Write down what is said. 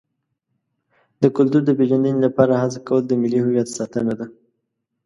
د کلتور د پیژندنې لپاره هڅه کول د ملي هویت ساتنه ده.